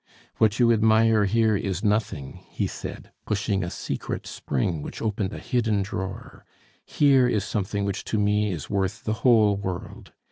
"What you admire there is nothing," he said, pushing a secret spring which opened a hidden drawer. "Here is something which to me is worth the whole world."